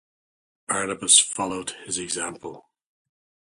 Barnabas followed his example.